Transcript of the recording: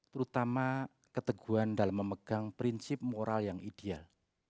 terutama keteguhan dalam memegang prinsip moral yang ideal